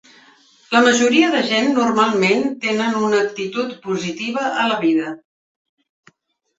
La majoria de gent normalment tenen una actitud positiva a la vida.